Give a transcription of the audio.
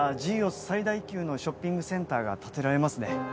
最大級のショッピングセンターが建てられますね